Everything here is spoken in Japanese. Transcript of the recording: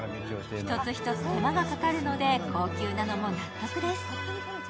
１つ１つ手間がかかるので高級なのも納得です。